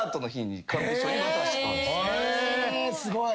えすごい！